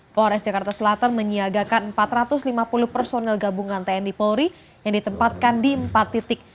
polres jakarta selatan menyiagakan empat ratus lima puluh personel gabungan tni polri yang ditempatkan di empat titik